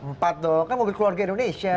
empat tuh kan mobil keluarga indonesia